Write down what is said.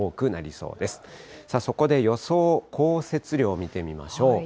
そこで予想降雪量、見てみましょう。